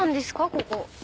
ここ。